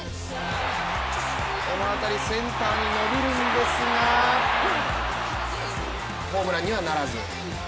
この当たりセンターに伸びるんですがホームランにはならず。